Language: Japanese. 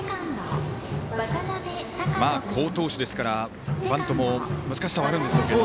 好投手ですからバントも難しさはあるんでしょうけど。